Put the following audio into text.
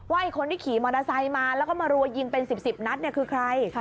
ไอ้คนที่ขี่มอเตอร์ไซค์มาแล้วก็มารัวยิงเป็น๑๐นัดคือใคร